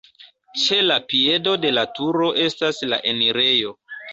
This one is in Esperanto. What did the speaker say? Ĉe la piedo de la turo estas la enirejo.